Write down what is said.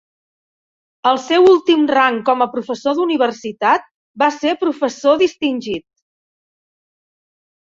El seu últim rang com a professor d'universitat va ser Professor Distingit.